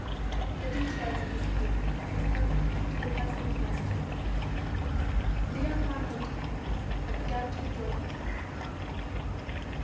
The details of the scheme are impertinent to the present narrative. The young man went to Paris and began to enjoy himself.